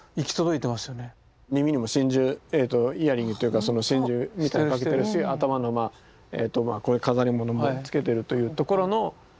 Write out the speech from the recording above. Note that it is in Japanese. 耳にも真珠イヤリングというか真珠みたいなのかけてるし頭のこういう飾り物もつけてるというところの。